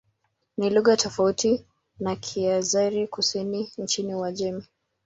Ni lugha tofauti na Kiazeri-Kusini nchini Uajemi.